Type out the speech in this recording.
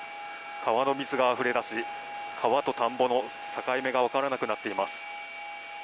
川の水があふれ出し川と田んぼの境目が分からなくなっています。